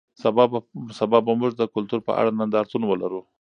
سبا به موږ د کلتور په اړه نندارتون ولرو.